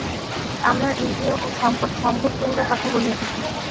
আমরা ইন্দ্রিয় ও সম্পদ সম্ভোগ করিবার কথা বলিয়া থাকি।